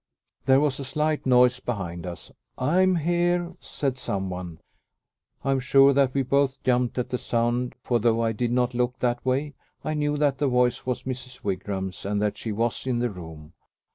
There was a slight noise behind us. "I am here," said some one. I am sure that we both jumped at the sound, for though I did not look that way, I knew that the voice was Mrs. Wigram's, and that she was in the room.